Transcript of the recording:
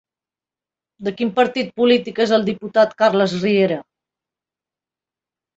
De quin partit polític és el diputat Carles Riera?